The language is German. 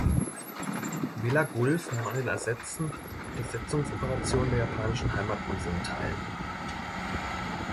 „Vella Gulf“ nahm an den ersetzen Besetzungsoperationen der japanischen Heimatinseln teil.